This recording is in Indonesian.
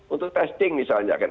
untuk testing misalnya kan